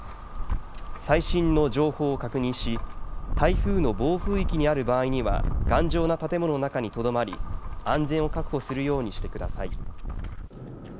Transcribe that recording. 最新の情報を確認し台風の暴風域にある場合には頑丈な建物の中にとどまり安全を確保するようにしてください。